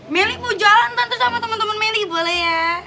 meli mau jalan tante sama temen temen meli boleh ya